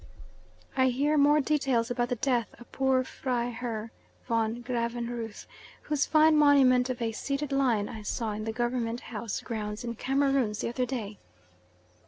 I hear more details about the death of poor Freiherr von Gravenreuth, whose fine monument of a seated lion I saw in the Government House grounds in Cameroons the other day.